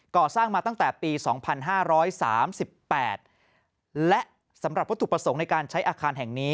ก่อสร้างมาตั้งแต่ปี๒๕๓๘และสำหรับวัตถุประสงค์ในการใช้อาคารแห่งนี้